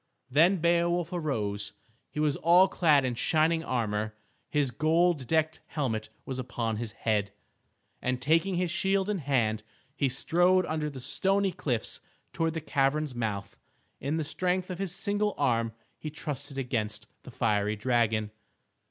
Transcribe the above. Then Beowulf arose. He was all clad in shining armor, his gold decked helmet was upon his head, and taking his shield in hand he strode under the stony cliffs towards the cavern's mouth. In the strength of his single arm he trusted against the fiery dragon.